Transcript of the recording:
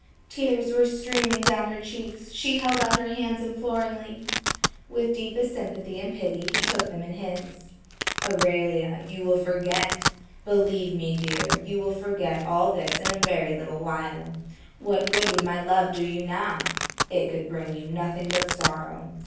The tears were streaming down her cheeks, she held out her hands imploringly. With deepest sympathy and pity he took them in his. "Aurelia, you will forget. Believe me, dear, you will forget all this in a very little while. What good would my love do you now. It could bring you nothing but sorrow.